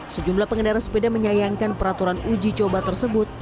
sejumlah pengendara sepeda menyayangkan peraturan uji coba tersebut